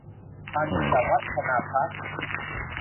ปัญจวัฒนาพลาสติก